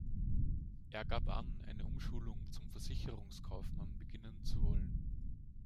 Er gab an, eine Umschulung zum Versicherungskaufmann beginnen zu wollen.